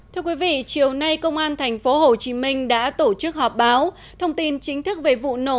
thưa quý vị chiều nay công an tp hcm đã tổ chức họp báo thông tin chính thức về vụ nổ